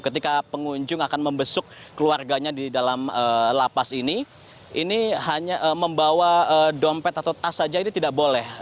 ketika pengunjung akan membesuk keluarganya di dalam lapas ini ini hanya membawa dompet atau tas saja ini tidak boleh